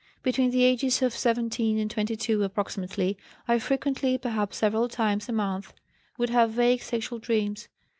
Between the ages of 17 and 22, approximately, I frequently, perhaps several times a month, would have vague sexual dreams.